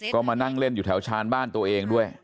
ก็มานั่งเล่นอยู่แถวชานบ้านตัวเองด้วย